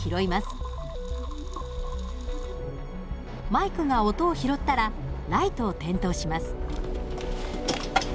マイクが音を拾ったらライトを点灯します。